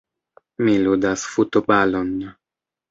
Mi ludas futbalon.